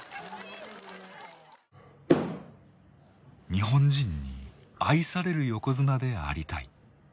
「日本人に愛される横綱でありたい」。